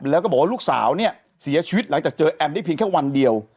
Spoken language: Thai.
แล้วก็บอกว่าลูกสาวเนี่ยเสียชีวิตหลังจากเจอแอมได้เพียงแค่วันเดียว